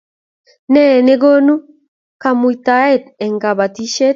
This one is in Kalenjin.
ne nekonu kaimutiet eng kabatishiet